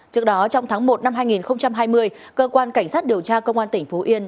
trước đó trong tháng một năm hai nghìn hai mươi cơ quan cảnh sát điều tra công an tỉnh phú yên